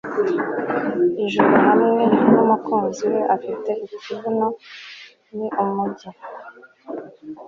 ijoro hamwe numukunzi we, ufite ikibuno ni umujyi